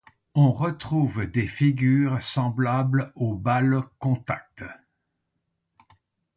On retrouve des figures semblables au balles contact.